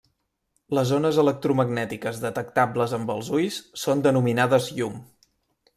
Les ones electromagnètiques detectables amb els ulls són denominades llum.